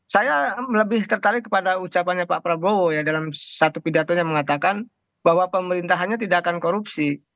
saya lebih tertarik kepada ucapannya pak prabowo ya dalam satu pidatonya mengatakan bahwa pemerintahannya tidak akan korupsi